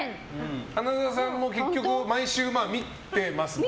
花澤さんも結局毎週見てますもんね。